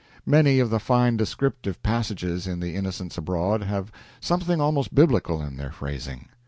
Many of the fine descriptive passages in "The Innocents Abroad" have something almost Biblical in their phrasing.